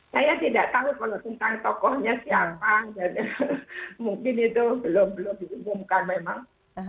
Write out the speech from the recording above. saya tidak tahu kalau tentang tokohnya siapa dan mungkin itu belum belum diumumkan memang